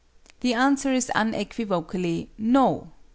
The answer is unequivocally, no!